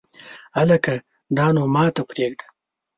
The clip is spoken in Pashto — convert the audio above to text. هلکه دا نو ماته پرېږده !